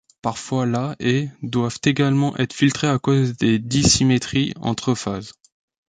Parfois la et doivent également être filtrées à cause des dissymétries entre phases.